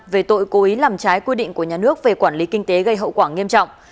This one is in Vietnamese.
về tội cố ý làm trái quy định của nhà nước về quản lý kinh tế gây hậu quả nghiêm trọng